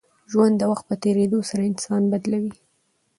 ژوند د وخت په تېرېدو سره انسان بدلوي.